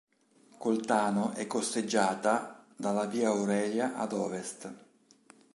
Coltano è costeggiata dalla Via Aurelia ad ovest.